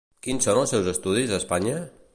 Quins són els seus estudis a Espanya?